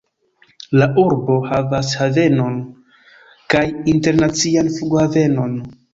La urbo havas havenon kaj internacian flughavenon.